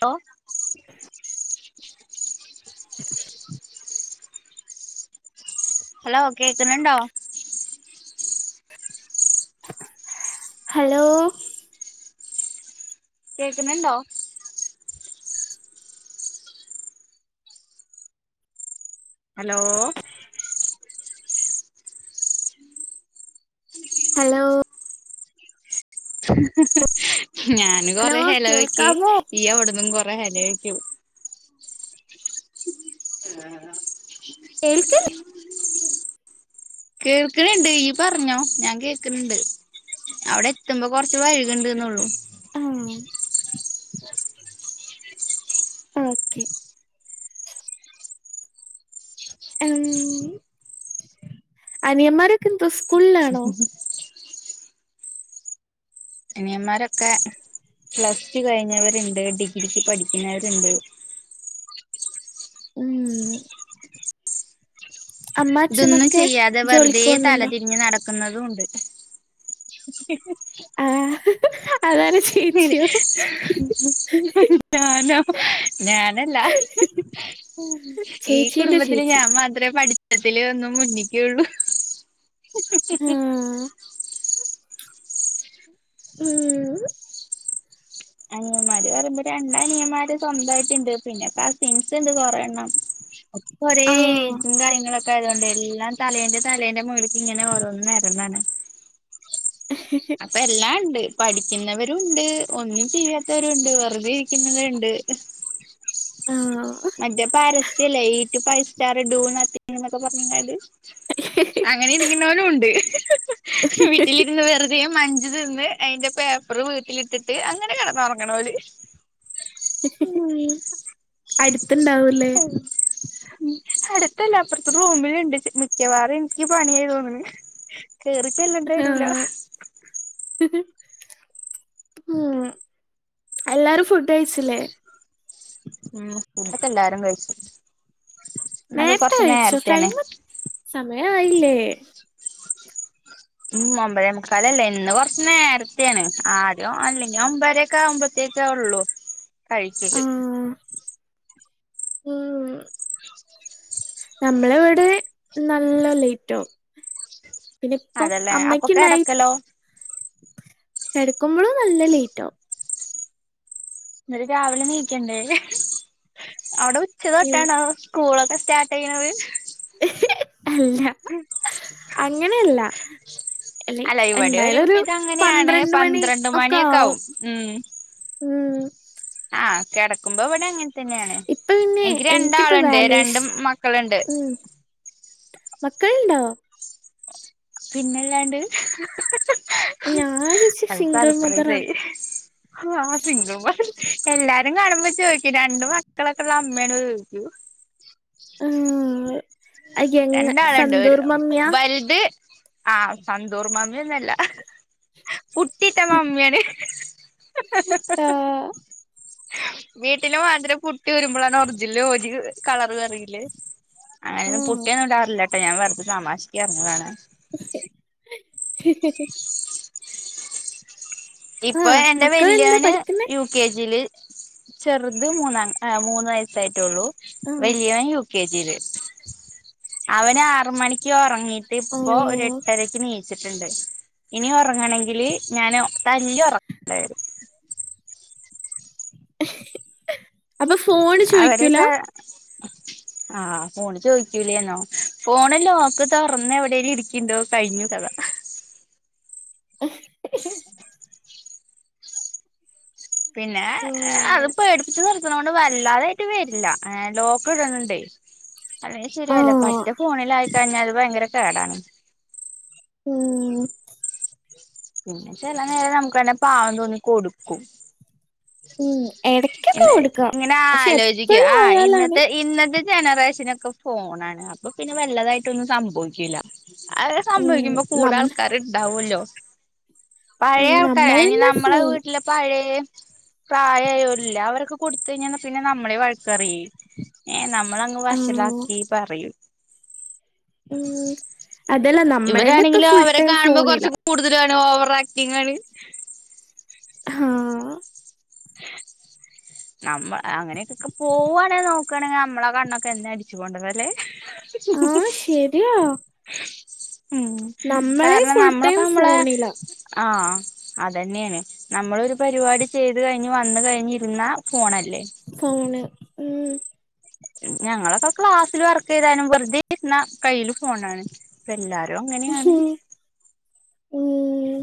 ഹോ മ്മ് ഹ് ഹലോ കേക്കുന്നുണ്ടോ ഹലോ കേക്കുന്നുണ്ടോ ഹലോ ഹലോ ഞാന് ഹലോ കൊറെ ഹലോവക്ക് കേൾക്കാമോ ഈ അവിടന്നും കൊ അല്ലേയ്ക്കും ആഹ കേൾക്ക കേൾക്കണണ്ട് ഈ പറഞ്ഞോ ഞാൻ കേക്കണണ്ട് അവിടെ എത്തുമ്പോ കൊറച്ച് വഴകണ്ടന്നള്ളു ആ ഉ ഓക്കെ അനിയൻമാരോക്കെ എന്തുസ് ഉ അനിയന്മാരൊക്കെ പ്ലസ്ടു കഴിഞ്ഞവരുണ്ട് ഡിഗ്രിക്ക് പഠിക്കുന്നവരുണ്ട് ഉം ഇതൊന്നും അമ്മാച്ചനൊക്കെ ചെയ്യാതെ വെറുതെ ജോലിക്ക് പോകുന്നുണ്ടോ തലതിരിഞ്ഞ് നടക്കുന്നതും ഉണ്ട് ആ അതാണ് ചേച്ചിയോ പിന്നേ ഞാനാ ഞാനല്ല ഹ ഹ ഈ ചേച്ചീന്റെ കുടുംബത്തിന് ചേച്ചി ഞാൻ മാത്രേ പഠി തത്തിലൊന്നും മുന്നിക്കൊള്ളൂ ആ ഉം അനിയന്മാര് പറയുമ്പോ രണ്ട അനിയ്യന്മാര് സ്വന്തയിട്ട്ണ്ട് പിന്നെ കസിൻസ് ണ്ട് കൊറെ ണ്ണം ഓ ക്കൊരോ ആ എയ്ജും കാര്യങ്ങ അപ്പ അതുകൊണ്ട് എല്ലാം തലേൻ്റെ തലേൻ്റെ മോളിക്ക്ങ്ങനെ ഓരോന്നും നേരന്നാണ് അപ്പ എല്ലാണ്ട് പഠിക്കുന്നവരുണ്ട് ഒന്നും ചെയ്യാത്തവരുണ്ട് വെറുതെ ഇരിക്കുന്നവര്ണ്ട് ആ മറ്റേ പാരസ്യല്ലേ ഈറ്റു ഫൈവ് സ്റ്റാർ ഡൂന്നൊക്കെങ്ങനെ പർഞ്ഞിങ്ങാണ്ട് അങ്ങനെ ഇരിക്കുന്നവനൂണ്ട് വീട്ടിലിരുന്ന് വേർ തെ മഞ്ജ് തിന്ന് അയ്ന്റെ പേപ്പറ് വീട്ടിലിട്ടിട്ട് അങ്ങനെ കേട്ന്നൊറ്ങ്ണോല് ഉം ത് ണ്ടാവുലെ അട്ത്തല്ല അപ്പറ്ത്തെ റൂമില്ണ്ട് മിക്കവാറും ഇൻക്ക് പണിയായി തോന്ന്ണ് കേറി ചെല്ലണ്ട്യെ രൂല ആം എല്ലാരും ഫുഡ് കഴിച്ചില്ലേ ഉം ഫുഡൊക്കെല്ലാരും കഴിച്ചു ഇന്നൊക്കെ നേരത്തെ കൊറച്ച് കയ്ച്ചു നേരത്തെയാണ് ടൈമ് സമയായില്ലേ ഉം ഒമ്പതെ മുക്കാലല്ലേ ഇന്ന് കൊറ്ച് നേരത്തെണ് ആദ്യം അല്ലെങ്കി ഒമ്പരൊക്കെ ആവുമ്പത്തേ ത്തെള്ളൂ കഴിക്കല് ആഹ് ഉം നമ്മള വടെ നല്ല ലൈറ്റവും പിന്നെ ഇപ്പം അതല്ലേ അപ്പൊ അമ്മക്യണ്ടായി കിടക്കലോ കെടക്കുമ്പളും നല്ല ലേറ്റാവും ന്നട്ട് രാവിലെ നീക്കണ്ടേ അവിടെ ഉച്ച തൊട്ടാണോ സ്കൂളൊക്കെ സ്റ്റാർട്ടേയ്യ്ണത് അല്ല അങ്ങനെയല്ല അല്ല ലൈക്ക് ഇവിടെ ഒരു എന്തായാലും വിധം അങ്ങനെയാണ് പന്ത്രണ്ട് മണി പന്ത്രണ്ട് ഒക്കെ ആവും മണിയൊക്കെയാവും ഉം ഉം ആ കെടക്കുമ്പോ ഇവടെങ്ങ ൻതന്നെണ് ഇപ്പൊ പിന്നെ എനിക്ക് എനിക്കിപ്പ രണ്ടാള്ണ്ട് രണ്ട് വാല്യുവേഷൻ മക്കള്ണ്ട് മക്കള്ണ്ടോ പിന്നെല്ലാണ്ട് ഞാൻ ചേച്ചി അത് സിംഗിൾ മദറാണ് സർപ്രൈസായി ആ സിങ്ക്ൾ [unintelligible] എല്ലാരും കാണുമ്പോ ചോയ്ക്കും രണ്ട് മക്കളൊക്കെ ള്ള അമ്മയാണോ ചോയ്ക്കും ആഹ് യങ് രണ്ടാള്ണ്ട് സന്തൂർ മമ്മിയാ വൽത് ആ സന്തൂർമമ്മ്യൊന്നല്ല പുട്ടിട്ടമമ്മ്യാണ് ആഹ് വീട്ടില് മാതിരി പുട്ട്യൂരുമ്പളാണ് ഒർജിനല് [unintelligible] കളർ വര് റീല് അങ്ങനെ പുട്ട്യോന്നിടാറില്ലട്ടോ ഞാൻ വെറ്തെ തമാശക്ക് പർഞ്ഞതാണ് ഇപ്പൊ ആഹ് എന്റെ മക്കളെന്താ വെല്യോന് പഠിക്കുന്നെ യു കെ ജിയില് ചെറ്ത് മൂന്നാം അ മൂന്ന് വയസ്സായിട്ടൊള്ളൂ ആഹ് വല്ല്യോൻ യു കെ ജിയില് അവന് ആറ് മണിക്ക് ഒറങ്ങീട്ട് ഇപ്പോ ഒരു ഓഹ് എട്ടരക്ക് നീ ച്ച്ട്ട്ണ്ട് ഇനി ഒറങ്ങണങ്കില് ഞാന് തല്ലി ഒറക്കണ്ട്യേരും അപ്പൊ ഫ് അവരെക്കെ ആ ഫോണ് ചോയ്ക്കൂലെന്നോ ഫോണ് ലോക്ക് തോറ്ന്ന് എവിടെലും ഇരിക്ക്ണ്ടോ കഴിഞ്ഞു കത പിന്നെ അത് പേടിച്ച് നിർ ന്നുകൊണ്ട് വല്ലാതായിട്ട് വെരില്ല ഏ ലോക്ക് ഇട്ന്ണ്ടെ അല്ലെങ്കി ശരിയാവില്ല ആഹ് പറ്റേ ഫോണിലായിക്കഴിഞ്ഞാൽ ഭയങ്കര കേടാണ് ഉം പിന്നെ ചെല നേരം നമുക്കന്നെ പാവം തോന്നി കൊടുക്കും ഉം എട ഇങ്ങനെ ആലോചിക്കും ആഹ് ആയാലാണ് ഇന്നത്തെ ഇന്നത്തെ ജനറേഷനൊക്കെ ഫോണാണ് അപ്പൊ പിന്നെ വല്ലതായിട്ടൊന്നും സംഭവിക്കുല്ല അത് ഉം സംഭവിക്കുമ്പോ കൂടെ നമ്മ ആൾക്കാര് ഇണ്ടാവുവല്ലോ പഴയ ആൾക്കാര് അതിനി നമ്മളന്നെ നമ്മളെ ഫോൺ വീട്ടില് പഴയ പ്രായയൊര് ഇല്ല അവരൊക്കെ കൊടുത്ത് കഴിഞ്ഞ പിന്നെ നമ്മളെ വഴക്ക് പറയി ഏഹ് നമ്മളങ്ങ് ആഹ് വഷളാക്കി പറയും ഉം അതല്ല ഇവര് നമ്മളന്നെ ഇപ്പൊ ആണെങ്കിലും ഫുൾ അവരെ ടൈം കാണുമ്പോൾ ഫോണിലാ കുറച്ച് കൂടുതലാണ് ഓവർ ആക്ടിംഗ് ആണ് ആഹ് നമ്മൾ അങ്ങനെയൊക്കൊക്കെ പോവാൻ നോക്കുകയാണെങ്കിൽ നമ്മളെ കണ്ണൊക്കെ എന്നെ അടിച്ചു പോകേണ്ടത ല്ലേ ആഹ് ശരിയാ ഉം നമ്മളെ കാരണം ഫുൾ നമ്മളൊക്കെ ടൈം നമ്മളെ ഫോണിലാ ആഹ് അതന്നെയാണ് നമ്മളൊരു പരിപാടി ചെയ് ത് കഴിഞ്ഞ് വന്ന് കഴിഞ്ഞിരുന്ന ഫോണല്ലേ ആണ് ഉം ഞങ്ങളൊക്കെ ക്ലാസ്സിൽ വർക്ക് ചെയ്താനും വെറുതെ ഇരുന്ന കൈയ്യില് ഫോണാണ് എല്ലാ രും അങ്ങനെയാണ് ഉം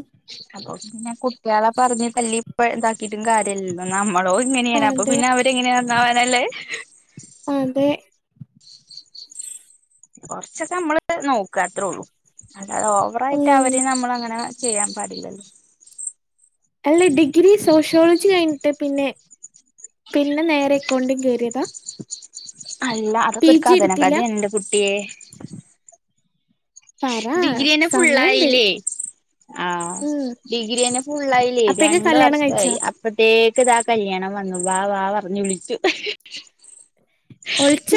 അതുകൊണ്ട്ന്നെ കുട്ടികളെ പറഞ്ഞ് തല്ലിപ്പോ ഇത ക്കിട്ടും കാര്യവില്ലല്ലോ നമ്മളോ ഇങ്ങനെയാണ് അപ്പൊ അതെ പിന്നെ അവരെങ്ങനെ നന്നാവാനല്ലേ അതെ കൊറച്ചൊക്കെ നമ്മള് നോക്കു അത്രേ ഉള്ളൂ അല്ലാതെ ഓവറായിട്ട് ഉം അവരേം നമ്മൾ അങ്ങനെ ചെയ്യാൻ പാടില്ലല്ലോ അല്ലെ ഡിഗ്രി സോഷ്യോളജി കഴിഞ്ഞിട്ട് പിന്നെ പിന്നെ നേരെ അക്കൗണ്ടിങ് കേയറിയതാ അല്ല അതൊക്കെ ഒരു കഥന കഥയാണ് ന്റെ കുട്ടിയെ പറ ഡിഗ്രിയന്നെ സമയണ്ട് ഫുള്ളായില്ലേ ആഹ് ഉം ഡിഗ്രി തന്നെ ഫുള്ളായില്ലേ അപ്പഴേക്ക് രണ്ട് കല്യാണം കഴിച്ചോ വർഷയി അപ്പത്തേ ക്ക് ദാ കല്യാണം വന്നു വാ വാ പറഞ്ഞ് വിളിച്ചു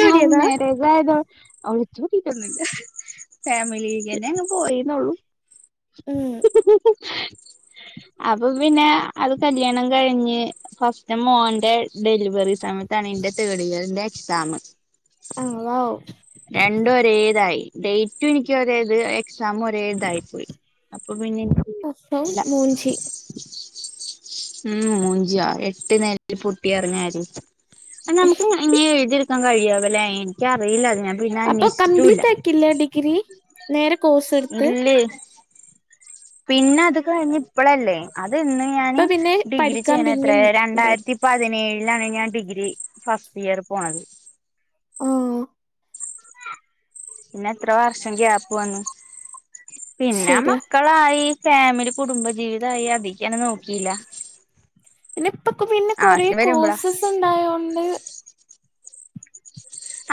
ലൗ മാരേജയതോ ഒളിച്ചോടിട്ടൊന്നുല്ല ഫാമിലിന്നെ അങ്ങ് പോയെന്നുള്ളു ഉം അപ്പൊ പിന്നെ അത് കല്യാണം കഴിഞ്ഞ് ഫസ്റ്റ് മോന്റെ ഡെലിവറി സമയ ത്താണിന്റെ തേടിയറിന്റെ എക്സാം ആഹ് വൗ ഡൈറ്റു എനിക്ക് ഒരേ ഇത് എക്സാം ഒരേ ഇതായിപ്പോയി അപ്പൊ പിന്നെ എനിക്ക് അപ്പം ഇല്ല മൂഞ്ചി ഉം മൂഞ്ചിയ എട്ട് നെലേല് പൊട്ടി പറഞ്ഞാല് അ നമുക്ക് ഇങ്ങനെ എഴുതിയെടുക്കാൻ കഴിയാവൊല്ലെ എനിക്കറി അപ്പൊ കംപ്ലീറ്റ് ആക്കില്ല ഡിഗ്രി നേരെ കൊ ഇല്ല പിന്നെ അത് കഴിഞ്ഞ് ഇപ്പഴല്ലേ അ ആത് ഇന്ന് ഞാന് ഇപ്പൊ പിന്നെ ഡിഗ്രി പഠിക്കാൻ ചെയ്യണ പിന്നിം എത്രയാ ഇതായി രണ്ടായിരത്തി പതിനേഴി ലാണ് ഞാൻ ഡിഗ്രി ഫസ്റ്റ് ഇയർ പോണത്. ആ പിന്നെ എത്ര വർഷം ഗ്യാപ് വന്നു പിന്നെ ശരിയാ മക്കളായി. ഫാമിലി കുടുംബ ജീവിതായി അതീക്കങ്ങനെ നോക്കിയില്ല. പിന്നെ ഇപ്പൊ പിന്നെ കൊറെ ആവശ്യം വരുമ്പളാ കോഴ്സസ് ഉണ്ടായോണ്ട്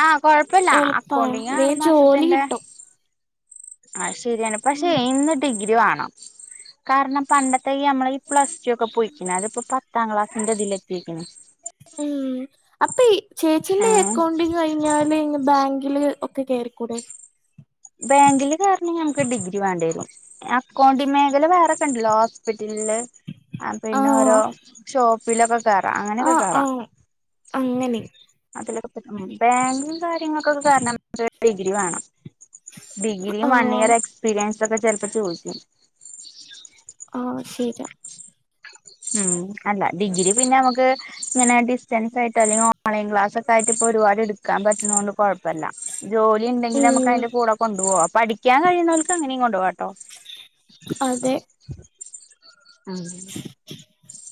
ആഹ് കൊഴപ്പില്ല എളുപ്പാണ് അക്കൗണ്ടിങ് ആറു വേം ജോലി മാസത്തിന്റെ കിട്ടും ആ ശരിയാണ് പക്ഷേ ഉം ഇന്ന് ഡിഗ്രി വേണം. കാരണം പണ്ടത്തെ ഈ നമ്മളെ ഈ പ്ലസ് ടു ഒക്കെ പോയിക്കണ് അതിപ്പോ പത്താം ക്ലാസ്സിന്റെ ഇതില് എത്തിരിക്കുന്നു. ഉം അപ്പോ ഈ ചേച്ചിന്റെ ഏഹ് അക്കൗണ്ട് കഴിഞ്ഞാല് ബാ ങ്കില് ഒക്കെ കേറിക്കൂടെ? ബാങ്കില് കേറണെങ്കി നമുക്ക് ഡിഗ്രി വേണ്ടി വരും അക്കൗണ്ട് മേഖല വേറെക്കെ ഇണ്ടല്ലോ ഹോസ്പിറ്റല ലില് പിന്നെ ആഹ് ഓരോ ഷോപ്പിലൊക്കെ കേറാ അങ്ങനെയൊക്കെ ആഹ് കേറാ. ആഹ് അങ്ങനെ അതിലൊക്കെ പ ബാങ്കും കാര്യങ്ങളൊക്കൊക്കെ കേറണേ ഡിഗ്രി വേണം. ഡിഗ്രിയും വൺ ആഹ് ഇയർ എക്സ്പീരിയൻസും ഒക്കെ ചെലപ്പോ ചോദിക്കും. ആഹ് ശരിയാ. ഉം അല്ല ഡിഗ്രി പിന്നെ നമുക്ക് ഇങ്ങനെ ഡിസ്റ്റൻസ് ആയിട്ട് അല്ലെങ്കിൽ ഓൺലൈൻ ക്ലാസ് ഒക്കെ ആയിട്ട് ഒരുപാട് എടുക്കാൻ പറ്റണോണ്ട് കുഴപ്പ പ്പല്ല ജോലി ഉണ്ടെങ്കിൽ നമുക്ക് ഉം അതിന്റെ കൂടെ കൊണ്ടു പോവാ പഠിക്കാൻ കഴിയുന്നോർക്ക് അവർക്ക് അങ്ങനെയും കൊണ്ട് പോകാട്ടാ. ട്ടോ. അതെ ഉം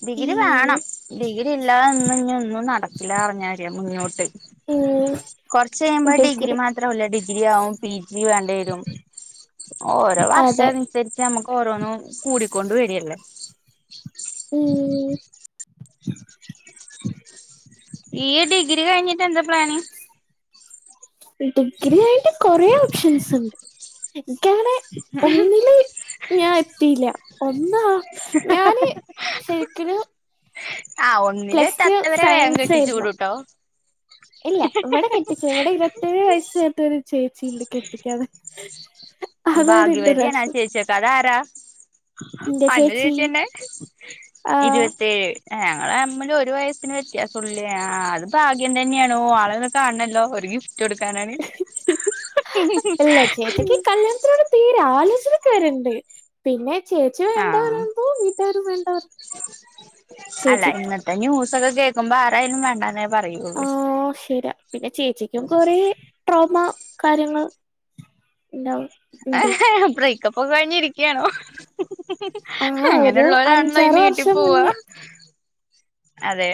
ഡിഗ്രി ഉം വേണം ഡിഗ്രി ഇല്ലാതൊന്നും ഇനി ഒന്നും നടക്കില്ല പറഞ്ഞാരിയ മുന്നോട്ട്. ഉം കൊറച്ച് കഴിയുമ്പോ ഡിഗ്രി മാത്രവല്ല ഡിഗ്രി ആവും പിജി വേണ്ടി വരും. ഓരോ വർഷം അതെ അനുസരിച്ച് നമ്മുക്ക് ഓരോന്നും കൂടിക്കൊണ്ട് വെരല്ലേ? ഉം ഈ ഡിഗ്രി കഴിഞ്ഞിട്ട് എന്താ പ്ലാന്? ഡിഗ്രി കയിഞ്ഞിട്ട് കൊറേ ഓപ്ഷൻസ് ഉണ്ട്. എനിക്കങ്ങനെ ഒന്നില് ഞാ എത്തിയില്ല ഒന്നാ ഞാന് ശരിക്കലും ആ പ്ലസ് ടു ഒന്നിലെത്താത്തവരെ വേഗം സയൻസ് കെട്ടിച്ചു ആയിരുന്നു. വിടുട്ടോ ഇല്ല ഇവിടെ കെട്ടിച്ചു ഇവിടെ ഇരുപത്തേഴ് വയസ്സ് തൊട്ടൊരു ചേച്ചിണ്ട് കെട്ടിക്കാതെ. അതാണ് എന്റെ ഭാഗ്യവതിയണാ പ്രശ്നം ചേച്ചി ട്ടൊ അതാരാ? എന്റെ ചേച്ചി തന്നെ ആഹ് ഇരുപതേഴ് ഞങ്ങള് തമ്മില് ഒരു വയസിന് വെത്യാസം ഒള്ളു അത് ഭാഗ്യം തന്നെയാണ് ഓ ആളോന്ന് കാണണല്ലോന്ന് ഒരു ഗി ഫ്റ്റ് കൊടുക്കാനാണ്. ഇല്ല ചേച്ചിക്ക് കല്യാണത്തിനോട് തീരെ [unintelligible] പിന്നെ ചേച്ചി വേണ്ടാ ആഹ് പറയുമ്പോ വീട്ടാരും വേണ്ടാന്ന് പറയും ചേച്ചിക്ക് ഇതൊക്കെ കേക്കുമ്പോ ആരായാലും വേണ്ടാന്നേ ആ പറയുള്ളൂ ശരിയാ പിന്നെ ചേച്ചിക്കും കൊറെ ട്രോമ കാര്യങ്ങൾ ഉണ്ടാവും ഉണ്ട് ബ്രേക്കപ്പൊക്കെ കഴിഞ്ഞിരിക്കയാണോ? ആ ഒരു അങ്ങനെയുള്ളവരാണല്ലോ ഈ അഞ്ചാറ് നീട്ടി വർഷം പോവാ. മുന്നേ അതെ.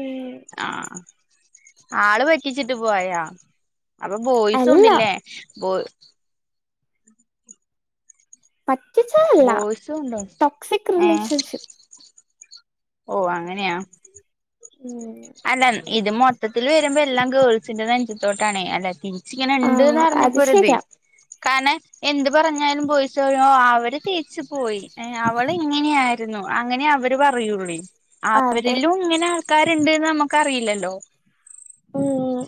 ഉം ആഹ് ആള് പറ്റിച്ചിട്ട് പോയാ? അപ്പൊ അല്ല ബോയ്സുണ്ടില്ലേ? പറ്റിച്ചതല്ല ബോയ്സും ഉണ്ടോ ടോക്സിക് ഏഹ് റിലേഷൻഷിപ്പ്. ഓ അങ്ങനെയാ? ഉം അല്ല ഇത് മൊത്തത്തിൽ വരുമ്പോ എല്ലാം ഗേൾസിന്റെ നെഞ്ചത്തോട്ടണേ അല്ല ച്ച് ആ ഉണ്ട്ന്ന് അറിഞ്ഞപ്പോ അത് ഒരിത്. ശരിയാ കാരണം എന്ത് പറഞ്ഞാലും [unintelligible] അവര് തിരിച്ച പോയി അവള് ഇങ്ങനെയായി രുന്നു അങ്ങനെ അവര് പറയുള്ളേ അതെ അവരിലും ഇങ്ങനെ ആൾക്കാ ര് നമുക്കറിയില്ലല്ലോ. ഉം.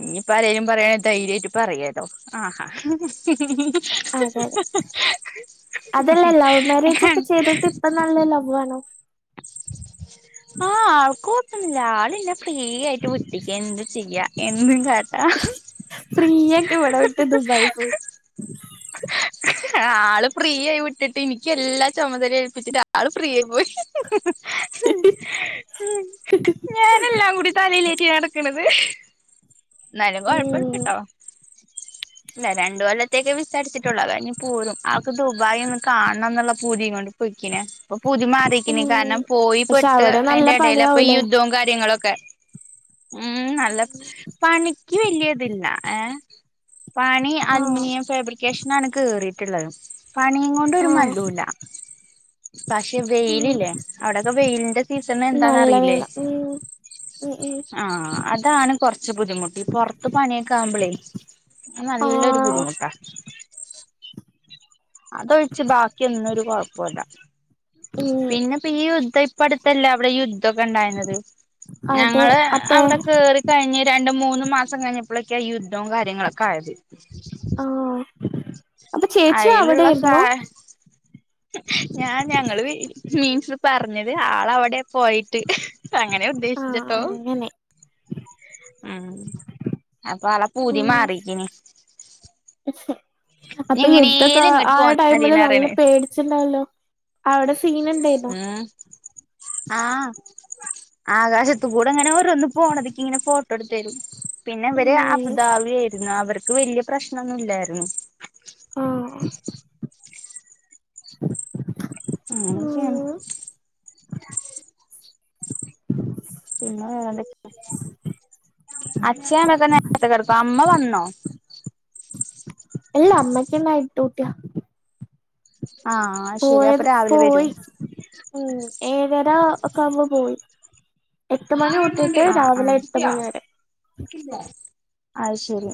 ഇനിയിപ്പം ആരേലും പറയണേ ധൈര്യമായിട്ട് പറയല്ലോ ആഹാ. അതെ അതെ [unintelligible] അതല്ലേ ലവ് മാരേജ് ഒക്കെ ചെയ്തിട്ട് ഇപ്പം നല്ല ലവ് ആണോ. ആഹ് ആൾക്കും കുഴപ്പന്നും ഇല്ല ആളിന്നെ ഫ്രീയായിട്ട് വിട്ടിക്ക്യാ എന്തും ചെയ്യ്യാ എന്തും കാട്ടാം. ഫ്രീയാക്കി ഇവിടെ വിട്ട് ദുബായി പോയി. [inaudible] ആള് ഫ്രീ ആയി വിട്ടിട്ട് എനിക്ക് എല്ലാ ചുമതലേ ഏൽപ്പിച്ചിട്ട് ആള് ഫ്രീ ആയി പോയി. ഞാനെല്ലാം കൂടി തലയിലേറ്റി നടക്കണത്. ന്നാലും കുഴപ്പല്ല ഉം കേട്ടോ. ഇല്ല രണ്ടു കൊല്ലത്തേക്ക് വിസ അടിച്ചിട്ടുള്ളൂ അതു കഴിഞ്ഞ് പോരും ആക്ക് ദുബായി ഒന്ന് കാണണം എന്നുള്ള പൂതിയും കൊണ്ട് പോ യിക്കണ് ഇപ്പോ ഭൂതി മ റിക്കാണ് ഉം ഇനി കാരണം പോയി പക്ഷെ പെട്ട് അവിടെ നല്ല അതിന്റെ ഇടയിൽ അപ്പൊ ഈ പണിയാവൂലേ യുദ്ധവും കാര്യങ്ങളൊ ക്കെ ഉം നല്ല പണിക്ക് വലിയതില്ല ഏഹ്. പണി ആഹ് അലൂമിനിയം ഫാബ്രിക്കേഷനാണ് കേറിയിട്ടുള്ളത്. പണിയ് കൊണ്ട് ഒരു ആഹ് മല്ലൂല്ല പക്ഷെ ഉം വെയിലല്ലേ അവിടെക്കെ വെയിലിന്റെ കിട്ടുന്നെ എന്താ നല്ല അറീലെ വെയില ഉം ഉം ഉം ആ അതാണ്. കുറച്ച് ബുദ്ധിമുട്ട് പുറത്ത് പണിയൊക്കെ ആകുമ്പോളേ നല്ലൊരു ആഹ് ബുദ്ധിമുട്ടാ. അതൊഴിച്ച് ബാക്കിയ ഒന്നും ഒരു കൊഴപ്പില്ലാ. ഉം പിന്നെ ഇപ്പ ഈ യുദ്ധ ഇപ്പ അടുത്തല്ലേ അവിടെ യുദ്ധ ക്കെ ഉണ്ടയത് അതെ ഞങ്ങള് അപ്പേ അവിടെ കേറി കഴിഞ്ഞ് ര രണ്ട് മൂന്ന് മാസം കഴിഞ്ഞപ്പോഴൊക്കെയാ ഈ യുദ്ധവും കാര്യങ്ങളൊക്കെ ആയത്. ആഹ് അപ്പൊ ചേച്ചി അയിലുള്ള സാ അവിടെയായിരുന്നു ഞാൻ ഞങ്ങള് വീ. മീൻസ് പറഞ്ഞത് ആളവിടെ പോയിട്ട് അങ്ങനെ ആഹ് ഉദ്ദേശിച്ട്ടോ. അങ്ങനെ ഉം അപ്പൊ ആളെ പൂതി ഉം മാറിക്കിന്. ഇനി അപ്പൊ യുദ്ധക്കെ എങ്ങനേലും ഇങ്ങട്ട് ആ പോന്നാ ടൈമില് മതീന്നാ നല്ല പറയണേ പേടിച്ചിണ്ടാവല്ലോ? അവിടെ സീൻ ഉണ്ടായിരുന്നോ? ഉം ആഹ് ആകാശത്ത്കൂടെ അങ്ങനെ ഓരോന്ന് പോണത് ഇക്ക് ഇങ്ങനെ ഫോട്ടോ എടുത്ത് തരും. പിന്നെ അവര് ഉം അബുദാവി ആയിരുന്നു അവർക്ക് വല്യ പ്രശ്നൊന്നും ഇല്ലായിരുന്നു. ആഹ്. ഉ [inaudible] അതൊക്കെയാണ്. ണോ. ഇല്ല അമ്മയ്ക്ക് നൈറ്റ് ഡൂട്ടിയാ. ആഹ് ശരി അപ്പൊ പോയത് രാവിലെ പോയി വരും ഉം ഏഴരാ ഒക്കവുമ്പോ പോയി. എട്ട് മണി തൊട്ടിട്ട് ആ ആഹ്. രാവിലെ എട്ട് മണി വരെ അയ് ശരി.